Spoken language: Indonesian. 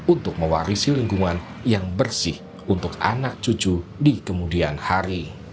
untuk mewarisi lingkungan yang bersih untuk anak cucu di kemudian hari